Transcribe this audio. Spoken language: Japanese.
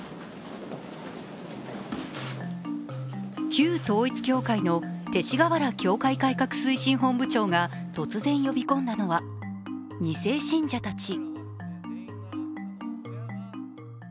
旧統一教会の勅使河原教会改革推進本部長が突然呼び込んだのは２世信者たち。